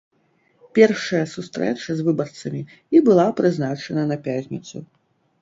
Першая сустрэча з выбарцамі і была прызначана на пятніцу.